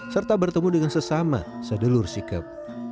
serta bertemu dengan sesama sedulur sikep